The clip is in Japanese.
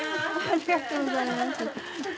ありがとうございます。